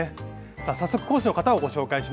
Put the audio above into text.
さあ早速講師の方をご紹介しましょう。